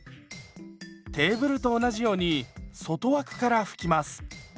テーブルと同じように外枠から拭きます。